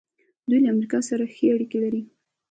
دوی له امریکا سره ښې اړیکې لري.